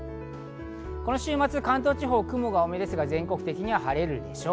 この週末、関東地方、雲が多めですが全国的には晴れるでしょう。